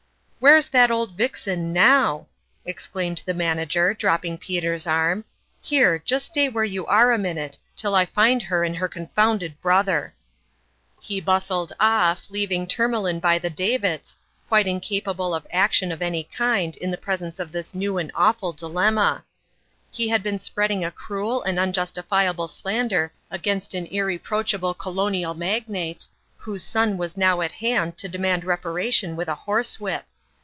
" Where's that old vixen now f " exclaimed the Manager, dropping Peter's arm. " Here, just stay where you are a minute, till I find her and her confounded brother !" He bustled off, leaving Tourmalin by the davits, quite incapable of action of any kind in the presence of this new and awful dilemma. He had been spreading a cruel and unjustifia ble slander against an irreproachable colonial magnate, whose son was now at hand to de mand reparation with a horsewhip.